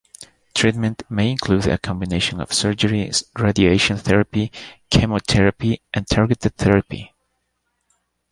Treatment may include a combination of surgery, radiation therapy, chemotherapy, and targeted therapy.